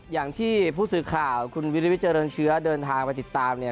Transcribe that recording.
อย่างที่ผู้สื่อข่าวคุณวิริวิทเจริญเชื้อเดินทางไปติดตามเนี่ย